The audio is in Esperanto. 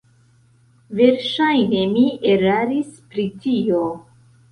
Verŝajne mi eraris pri tio.